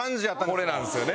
これなんですよね。